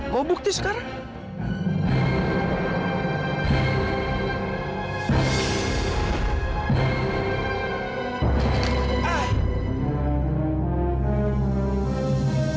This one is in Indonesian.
mau bukti sekarang